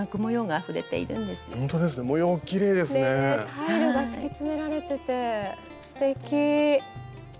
タイルが敷き詰められててすてき。